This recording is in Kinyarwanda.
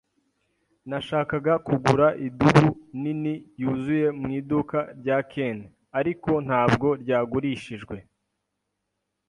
Nashakaga kugura idubu nini yuzuye mu iduka rya Ken, ariko ntabwo ryagurishijwe.